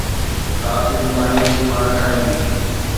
رات جي ماني پاڻ کائيندي